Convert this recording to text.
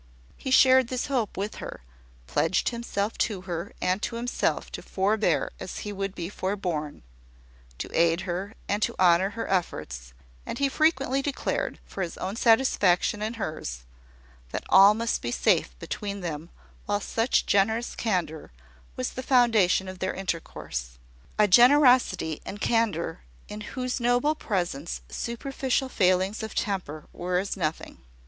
He shared this hope with her; pledged himself to her and to himself to forbear as he would be forborne; to aid her, and to honour her efforts; and he frequently declared, for his own satisfaction and hers, that all must be safe between them while such generous candour was the foundation of their intercourse, a generosity and candour in whose noble presence superficial failings of temper were as nothing.